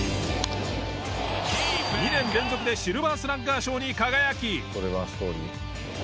２年連続でシルバースラッガー賞に輝き。